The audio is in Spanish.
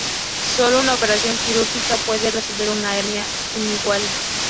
Sólo una operación quirúrgica puede resolver una hernia inguinal.